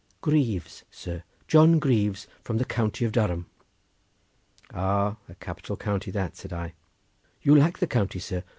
"Greaves, sir; John Greaves from the county of Durham." "Ah! a capital county that," said I. "You like the county, sir!